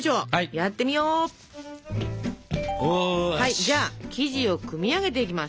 じゃあ生地を組み上げていきます。